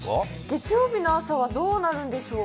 月曜日の朝はどうなるんでしょう？